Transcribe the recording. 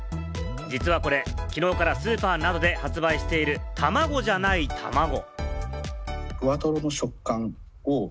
実はこれ、昨日からスーパーなどで発売している、たまごじゃないたまご。